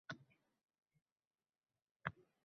Nemislar uchun yurak guli, fransuzlar uchun Jennet yuragi.